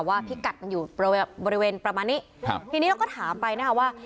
พิกัดมันอยู่บริเวณประมาณนี้ครับทีนี้เราก็ถามไปนะคะว่า